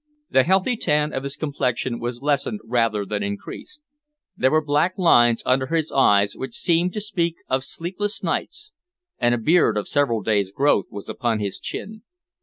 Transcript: The healthy tan of his complexion was lessened rather than increased. There were black lines under his eyes which seemed to speak of sleepless nights, and a beard of several days' growth was upon his chin.